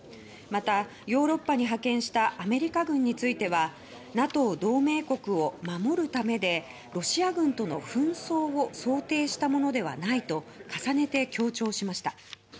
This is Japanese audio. また、ヨーロッパに派遣したアメリカ軍についてはＮＡＴＯ同盟国を守るためでロシア軍との紛争を想定したものではないと重ねて強調しました。